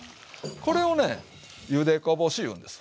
これをね「ゆでこぼし」言うんです。